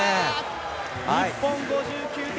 日本５９点。